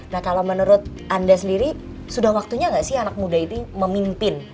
nah kalau menurut anda sendiri sudah waktunya nggak sih anak muda itu memimpin